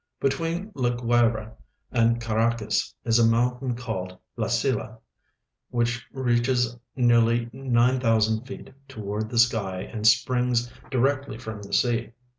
Between La Guayra and Caracas is a mountain called La Silla, whicli reaches nearly 9,000 feet toward the sky and springs di rectly from tlie sea.